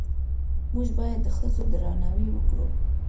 موږ باید د ښځو درناوی وکړو